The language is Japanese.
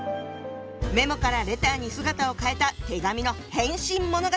「メモ」から「レター」に姿を変えた手紙の変身物語